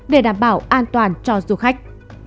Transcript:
để đảm bảo an toàn cho du khách